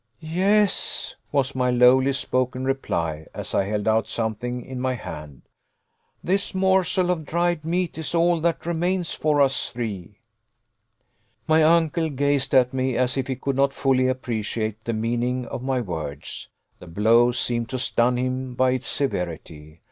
"Yes," was my lowly spoken reply, as I held out something in my hand, "this morsel of dried meat is all that remains for us three." My uncle gazed at me as if he could not fully appreciate the meaning of my words. The blow seemed to stun him by its severity.